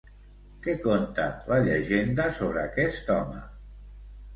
Què conta la llegenda sobre aquest home?